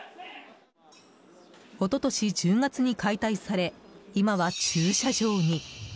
一昨年１０月に解体され今は駐車場に。